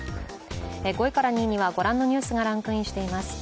５位から２位にはご覧のニュースがランクインしています。